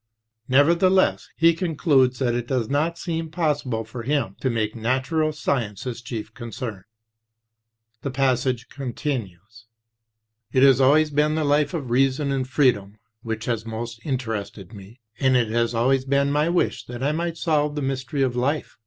Nevertheless, he concludes that it does not seem possible for him to make natural science his chief concern. The passage continues : "It has always been the life of reason and freedom which has most inter ested me, and it has always been my wish that I might solve the mystery of life.